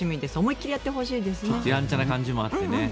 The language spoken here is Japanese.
ちょっとやんちゃな感じがあってね。